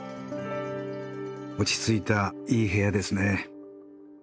落ち着いたいい部屋ですね。